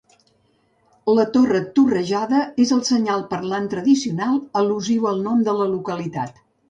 La torre torrejada és el senyal parlant tradicional, al·lusiu al nom de la localitat.